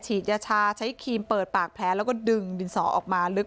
ยาชาใช้ครีมเปิดปากแผลแล้วก็ดึงดินสอออกมาลึก